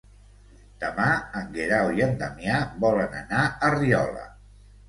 Demà en Guerau i en Damià volen anar a Riola.